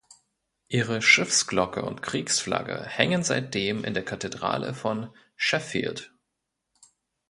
Ihre Schiffsglocke und Kriegsflagge hängen seitdem in der Kathedrale von Sheffield.